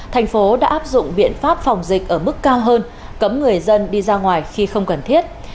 thành phố đã áp dụng biện pháp phòng dịch ở mức cao hơn cấm người dân đi ra ngoài khi không cần thiết